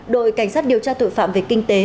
đội cảnh sát điều tra tội phạm về kinh tế